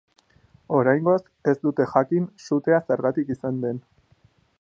Oraingoz, ez dute jakin sutea zergatik izan den.